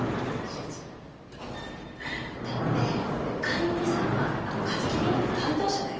だって管理人さんはあのカヅキビールの担当者だよ。